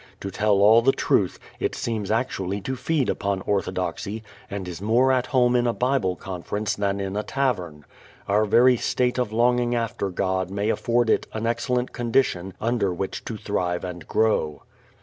To tell all the truth, it seems actually to feed upon orthodoxy and is more at home in a Bible Conference than in a tavern. Our very state of longing after God may afford it an excellent condition under which to thrive and grow.